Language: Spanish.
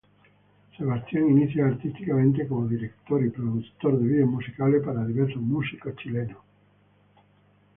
Sebastián inicia artísticamente como director y productor de vídeos musicales para diversos músicos chilenos.